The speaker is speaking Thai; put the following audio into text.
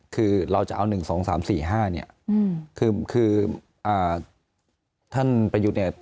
คือเราจะเอาหนึ่งสองสามสี่ห้าเนี้ยอืมคืออ่าท่านประยุทธ์เนี้ย